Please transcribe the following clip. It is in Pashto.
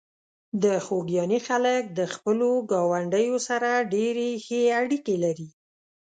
د خوږیاڼي خلک د خپلو ګاونډیو سره ډېرې ښې اړیکې لري.